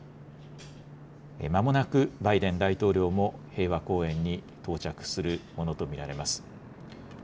まもなくバイデン大統領も平和公園に到着するものと見られます。